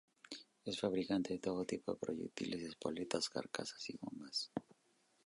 Es fabricante de todo tipo de proyectiles, espoletas, carcasas y bombas.